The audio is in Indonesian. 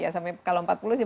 ya sampai kalau empat puluh sih